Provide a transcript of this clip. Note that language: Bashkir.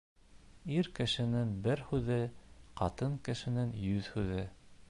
Ир кешенең бер һүҙе -Ҡатын кешенең йөҙ һүҙе.